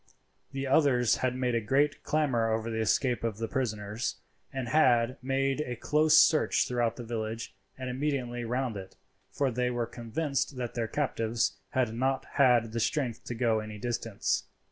The others had made a great clamour over the escape of the prisoners, and had made a close search throughout the village and immediately round it, for they were convinced that their captives had not had the strength to go any distance.